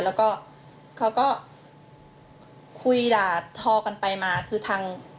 แล้วก็เขาก็คุยด่าทอกันไปมาคือทาง